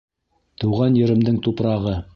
Тыуған еремдең тупрағы!